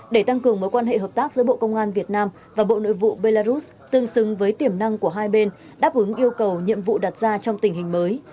để tăng cường mối quan hệ hợp tác giữa bộ công an việt nam và bộ nội vụ belarus tương xứng với tiềm năng của hai bên đáp ứng yêu cầu nhiệm vụ đặt ra trong tình hình mới